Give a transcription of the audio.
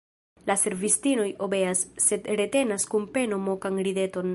La servistinoj obeas, sed retenas kun peno mokan rideton.